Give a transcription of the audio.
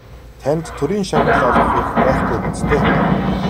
Танд Төрийн шагнал олгох эрх байхгүй биз дээ?